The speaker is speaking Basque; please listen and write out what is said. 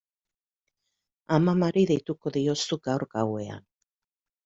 Amamari deituko diozu gaur gauean.